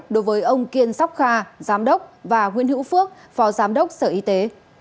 đối với ông kiên sóc kha giám đốc và nguyễn hữu phước phó giám đốc sở y tế